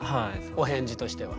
お返事としては。